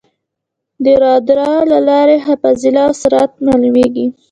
د رادار له لارې فاصله او سرعت معلومېږي.